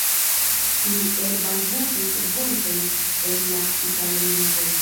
Li elbalbutis vortojn en la itala lingvo.